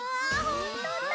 ほんとうだ！